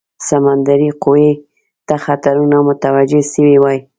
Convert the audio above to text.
سمندري قوې ته خطرونه متوجه سوي وای.